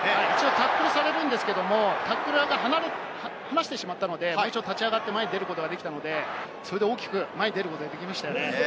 タックルされるんですが、タックルを離してしまったので、立ち上がって前に出ることができたので、大きく前に出ることができましたよね。